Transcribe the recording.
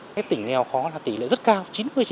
các tỉnh nghèo khó là tỷ lệ rất cao chín mươi chín